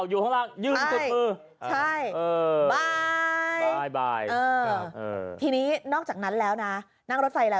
จับไมค์เอาฟังกันหน่อยค่ะ